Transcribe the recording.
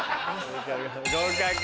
合格。